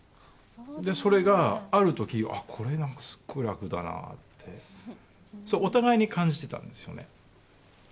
それがあるとき、あっ、これはすごい楽だなって、それはお互いに感じてたんですよね。